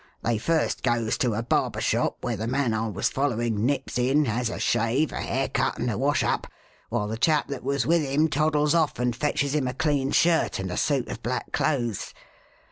They goes first to a barber shop, where the man I was followin' nips in, has a shave, a hair cut and a wash up, while the chap that was with him toddles off and fetches him a clean shirt and a suit of black clothes.